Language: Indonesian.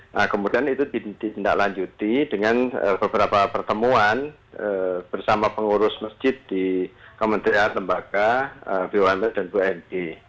nah kemudian itu ditindaklanjuti dengan beberapa pertemuan bersama pengurus masjid di kementerian lembaga bumn dan bund